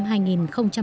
hết khoảng hơn một năm